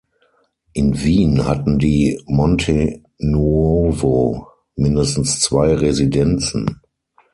In Wien hatten die Montenuovo mindestens zwei Residenzen.